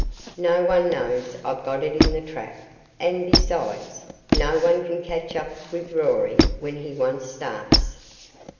'No one knows I've got it in the trap, and, besides, no one can catch up with Rory when he once starts.